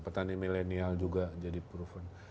petani milenial juga jadi proven